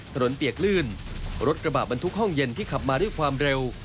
เปียกลื่นรถกระบะบรรทุกห้องเย็นที่ขับมาด้วยความเร็ว